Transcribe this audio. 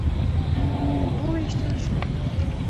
وویشتل شو.